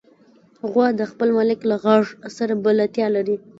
غوا د خپل مالک له غږ سره بلدتیا لري.